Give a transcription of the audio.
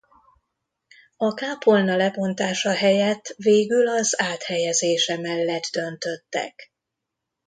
A kápolna lebontása helyett végül az áthelyezése mellett döntöttek.